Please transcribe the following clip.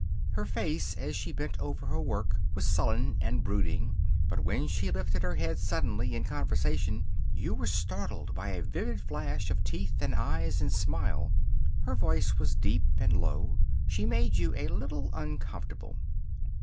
Her face as she bent over her work was sullen and brooding, but when she lifted her head suddenly, in conversation, you were startled by a vivid flash of teeth and eyes and smile. Her voice was deep and low. She made you a little uncomfortable.